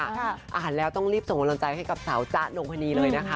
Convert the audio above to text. อ่านแล้วต้องรีบส่งกำลังใจให้กับสาวจ๊ะนงพนีเลยนะคะ